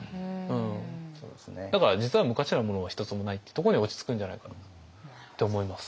だから実は無価値なものは一つもないってとこに落ち着くんじゃないかなって思います。